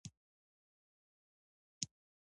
د کندهار د پایلوچانو په ستاینه کې ویل شوې وه.